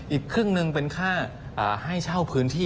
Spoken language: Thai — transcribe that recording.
อีกครึ่งหนึ่งเป็นค่าให้เช่าพื้นที่